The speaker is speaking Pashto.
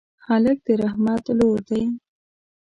هلک د رحمت لور دی.